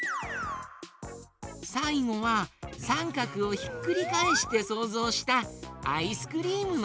さいごはさんかくをひっくりかえしてそうぞうしたアイスクリームのえだよ。